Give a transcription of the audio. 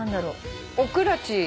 おくらち。